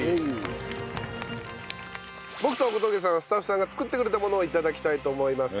僕と小峠さんはスタッフさんが作ってくれたものを頂きたいと思います。